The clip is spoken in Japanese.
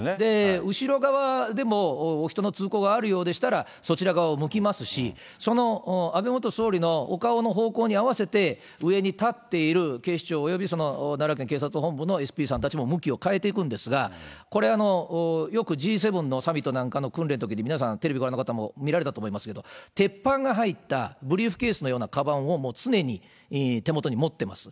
後ろ側でも人の通行があるようでしたら、そちら側を向きますし、その安倍元総理のお顔の方向に合わせて、上に立っている警視庁および奈良県警察本部のＳＰさんたちも向きを変えていくんですが、これ、よくＧ７のサミットなんかの訓練のときに皆さん、テレビご覧の方も見られたと思いますけど、鉄板が入ったブリーフケースのようなかばんを常に手元に持ってます。